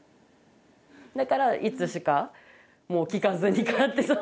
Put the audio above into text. だからいつしかもう聞かずに勝手そう。